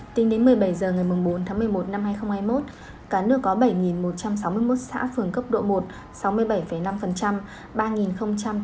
tính đến một mươi bảy h ngày bốn tháng một mươi một năm hai nghìn hai mươi một cả nước có bảy một trăm sáu mươi một xã phường cấp độ một sáu mươi bảy năm